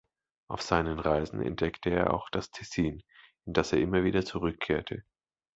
Auf seinen Reisen entdeckte er auch das Tessin, in das er immer wieder zurückkehrte.